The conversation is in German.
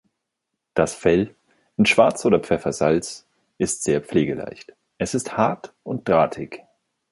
Das Fell, in Schwarz oder Pfeffer-Salz, ist sehr pflegeleicht: Es ist hart und drahtig.